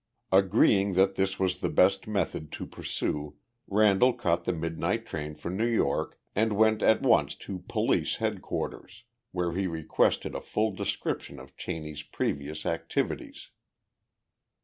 Agreeing that this was the best method to pursue, Randall caught the midnight train for New York and went at once to police headquarters, where he requested a full description of Cheney's previous activities.